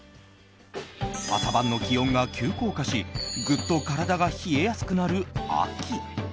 朝晩の気温が急降下しグッと体が冷えやすくなる秋。